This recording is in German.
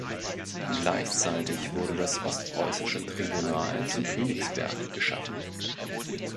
Gleichzeitig wurde das Ostpreußische Tribunal zu Königsberg geschaffen.